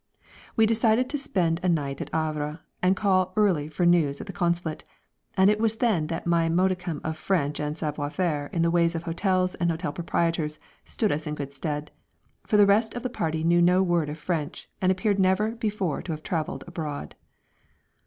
We decided to spend a night at Havre and call early for news at the Consulate, and it was then that my modicum of French and savoir faire in the ways of hotels and hotel proprietors stood us in good stead, for the rest of the party knew no word of French and appeared never before to have travelled abroad.